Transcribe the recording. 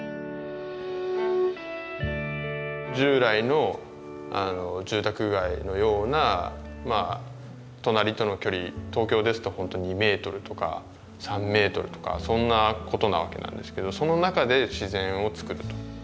従来の住宅街のような隣との距離東京ですと本当２メートルとか３メートルとかそんなことなわけなんですけどその中で自然を作ると。